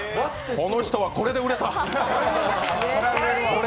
この人はこれで売れた！